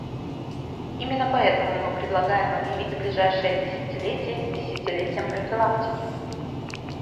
Именно поэтому мы предлагаем, объявить ближайшее десятилетие десятилетием профилактики.